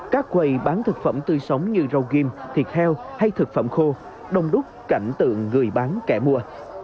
các quầy bán thực phẩm tươi sống như rau kim thịt heo hay thực phẩm khô đông đúc cảnh tượng người bán kẻ mua